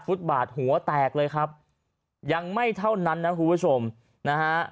ฟุตบาทหัวแตกเลยครับยังไม่เท่านั้นนะคุณผู้ผู้ผู้ชมนะ